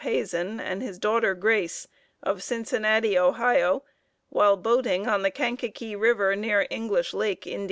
Hazen and his daughter Grace, of Cincinnati, Ohio, while boating on the Kankakee River near English Lake, Ind.